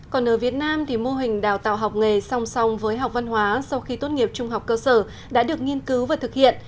còn ở việt nam thì mô hình đào tạo học nghề song song với học văn hóa sau khi tốt nghiệp trung học cơ sở đã được nghiên cứu và thực hiện